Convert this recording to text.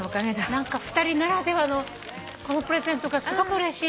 何か２人ならではのこのプレゼントがすごくうれしい。